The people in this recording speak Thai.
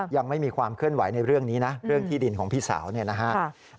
ยังไม่มีความเคลื่อนไหวในเรื่องนี้นะเรื่องที่ดินของพี่สาวเนี่ยนะฮะ